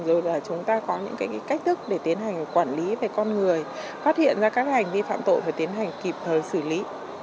rồi là chúng ta có những cái cách thức để tiến hành quản lý về con người phát hiện ra các hành vi phạm tội phải tiến hành kịp thời xử lý